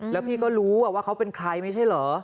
แล้วพี่ก็รู้ว่าเขาเป็นใครไม่ใช่เหรอ